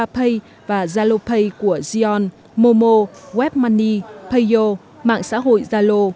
một trăm hai mươi ba pay và zalopay của xeon momo webmoney payo mạng xã hội zalo